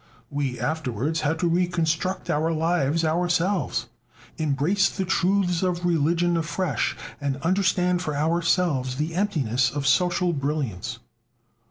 "We afterwards had to reconstruct our lives ourselves, embrace the truths of religion afresh, and understand for ourselves the emptiness of social brilliance."